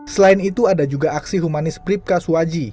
selain itu ada juga aksi humanis bribka suwaji